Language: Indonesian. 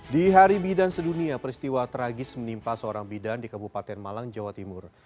di hari bidan sedunia peristiwa tragis menimpa seorang bidan di kabupaten malang jawa timur